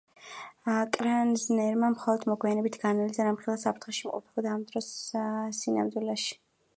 კრაზნერმა მხოლოდ მოგვიანებით გააანალიზა, რამხელა საფრთხეში იმყოფებოდა იმ დროს სინამდვილეში.